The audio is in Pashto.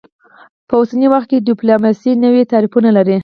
په اوسني وخت کې ډیپلوماسي نوي تعریفونه لري